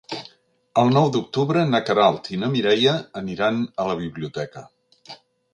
El nou d'octubre na Queralt i na Mireia aniran a la biblioteca.